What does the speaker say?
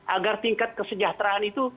agar tingkat kesejahteraan itu